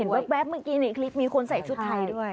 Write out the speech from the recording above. แป๊บเมื่อกี้ในคลิปมีคนใส่ชุดไทยด้วย